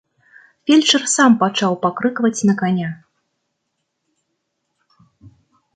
Фельчар сам пачаў пакрыкваць на каня.